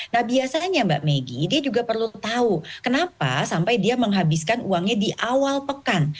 nah biasanya mbak megi dia juga perlu tahu kenapa sampai dia menghabiskan uangnya di awal pekan